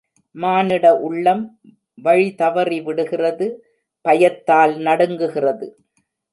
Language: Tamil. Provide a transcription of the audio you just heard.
மானிட உள்ளம் வழி தவறிவிடுகிறது பயத்தால் நடுங்குகிறது.